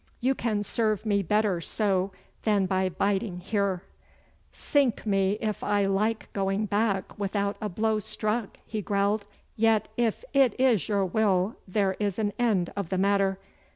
You can serve me better so than by biding here.' 'Sink me if I like going back without a blow struck,' he growled. 'Yet if it is your will there is an end of the matter.